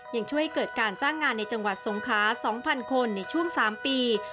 ยังช่วยเกิดการจ้างงานในจังหวัดสงครา๒๐๐คนในช่วง๓ปี